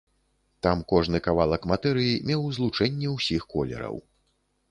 Там кожны кавалак матэрыі меў злучэнне ўсіх колераў.